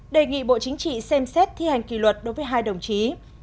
đề nghị bộ chính trị xem xét thi hành kỷ luật đối với hai đồng chí